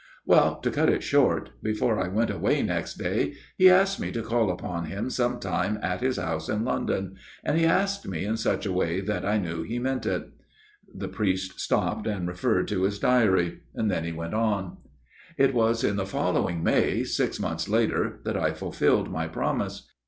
Well, to cut it short, before I went away next day he asked me to call upon him sometime at his house in London, and he asked me in such a way that I knew he meant it." The priest stopped and referred to his diary. Then he went on. THE FATHER RECTOR'S STORY 77 " It was in the following May, six months later, that I fulfilled my promise.